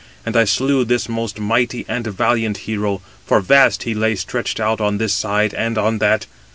And I slew this most mighty and valiant hero, for vast he lay stretched out on this side and on that.